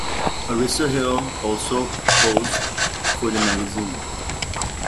Arissa Hill also posed for the magazine.